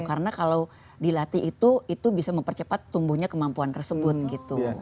karena kalau dilatih itu itu bisa mempercepat tumbuhnya kemampuan tersebut gitu